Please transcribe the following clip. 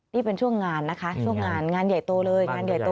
นี่เป็นช่วงงานนะคะช่วงงานงานใหญ่โตเลยงานใหญ่โต